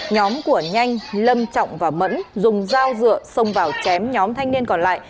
nhóm của nhanh lâm trọng và mẫn dùng dao dựa xông vào chém nhóm thanh niên còn lại